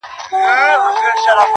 زما تر ټولو امیرانو معتبره!!